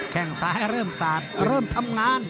แค่งซ้ายเริ่มสาดเริ่มทำงาน